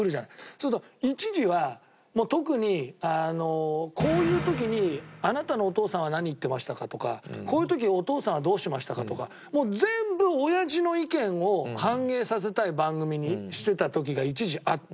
そうすると一時は特に「こういう時にあなたのお父さんは何言ってましたか？」とか「こういう時お父さんはどうしましたか？」とか全部おやじの意見を反映させたい番組にしてた時が一時あって。